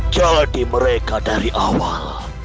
jadi mereka dari awal